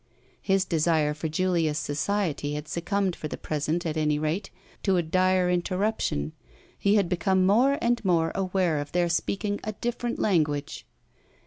His desire for Julia's society had succumbed for the present at any rate to a dire interruption he had become more and more aware of their speaking a different language.